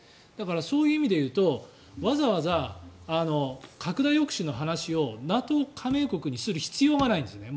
そういう意味で言うとわざわざ拡大抑止の話をＮＡＴＯ加盟国にする必要がないんですね。